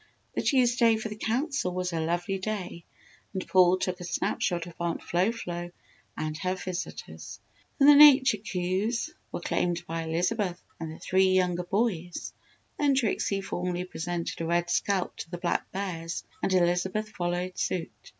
The Tuesday for the Council was a lovely day and Paul took a snap shot of Aunt Flo Flo and her visitors. The Nature coups were claimed by Elizabeth and the three younger boys. Then Trixie formally presented a red scalp to the Black Bears and Elizabeth followed suit.